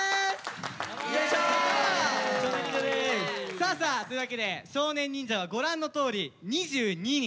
さあさあというわけで少年忍者はご覧のとおり２２人。